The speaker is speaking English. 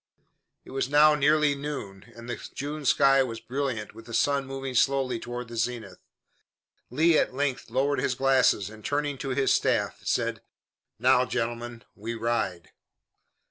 It was now nearly noon, and the June sky was brilliant with the sun moving slowly toward the zenith. Lee at length lowered his glasses and, turning to his staff, said: "Now, gentlemen, we ride."